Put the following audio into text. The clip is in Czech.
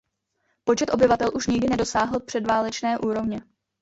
Počet obyvatel už nikdy nedosáhl předválečné úrovně.